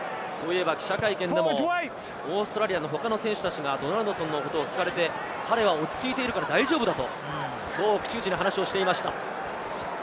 記者会見でもオーストラリアの他の選手たちがドナルドソンのことを聞かれて、彼は落ち着いているから大丈夫だと、口々に話をしていました。